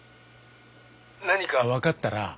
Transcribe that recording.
何かわかったら。